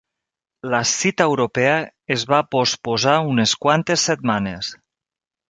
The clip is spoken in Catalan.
La cita europea es va posposar unes quantes setmanes.